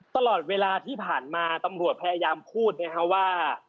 ตลอดเวลาที่ผ่านมาตำรวจพยายามพูดนะครับว่า